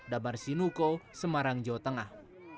damar sinuko semarang jawa tengah